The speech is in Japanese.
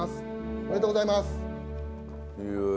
おめでとうございます。